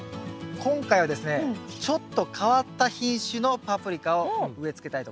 今回はですねちょっと変わった品種のパプリカを植えつけたいと思います。